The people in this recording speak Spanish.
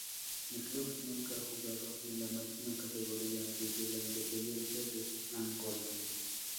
El club nunca ha jugado en la máxima categoría desde la independencia de Angola.